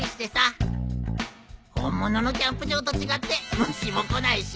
本物のキャンプ場と違って虫も来ないしよ。